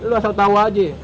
lo asal tau aja